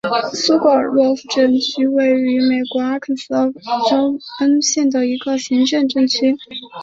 苏格尔洛夫镇区是位于美国阿肯色州布恩县的一个行政镇区。